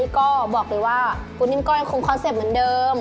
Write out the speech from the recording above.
ก็บอกเลยว่าปูนนิม์ก็คงคอนเซพทึ่งเหมือนเดิม